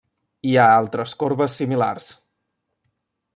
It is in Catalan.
Hi ha altres corbes similars.